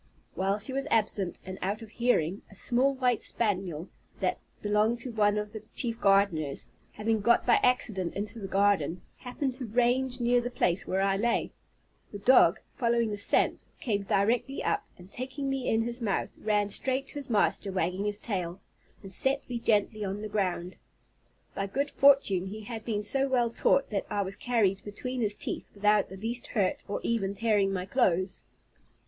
While she was absent and out of hearing, a small white spaniel that belonged to one of the chief gardeners, having got by accident into the garden, happened to range near the place where I lay: the dog, following the scent, came directly up, and taking me in his mouth, ran straight to his master wagging his tail, and set me gently on the ground. By good fortune he had been so well taught, that I was carried between his teeth without the least hurt, or even tearing my clothes.